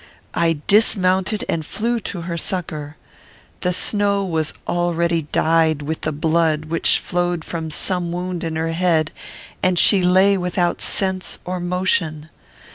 I dismounted and flew to her succour. The snow was already dyed with the blood which flowed from some wound in her head, and she lay without sense or motion.